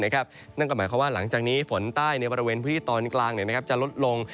นั่นก็หมายความออกก็หมายความหลังจากนี้ส่วนนี้ฝนใต้ในบริเวณพื้นที่ตอนกลางจะลดลง